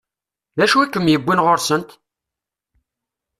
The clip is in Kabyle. D acu i kem-yewwin ɣur-sent?